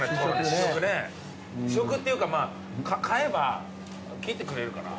試食っていうかまぁ買えば切ってくれるかな。